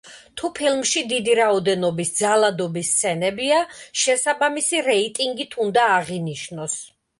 თუ ფილმში დიდი რაოდენობის ძალადობის სცენებია, შესაბამისი რეიტინგით უნდა აღინიშნოს.